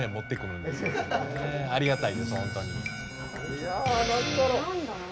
いや何だろ？